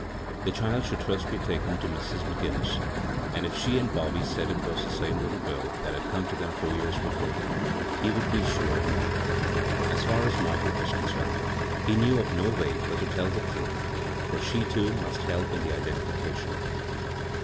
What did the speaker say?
The child should be taken first to Mrs. McGinnis, and if she and Bobby said it was the same little girl that had come to them four years before, be would be sure indeed. As far as Margaret was concerned, he knew (rf no way but to tell her the truth, for she, too, must help in the idendficatioQ.